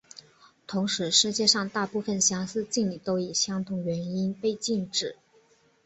同时世界上大部份相似敬礼都以相同原因被禁止。